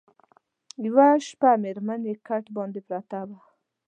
یوه شپه مېرمن پر کټ باندي پرته وه